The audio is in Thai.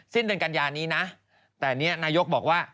สิ้นเดือนกันยานี้นะแต่นี่นายกบอกว่า